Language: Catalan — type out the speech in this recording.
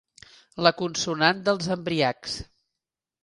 La consonant dels embriacs.